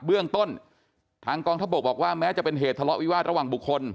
เบื้องต้นทางกองทัพบกบอกว่าแม้จะเป็นเหตุทะเลาะวิวาสระหว่างบุคคล